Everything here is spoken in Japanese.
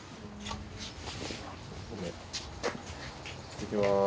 いってきます。